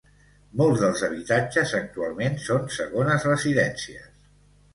Molts dels habitatges actualment són segones residències.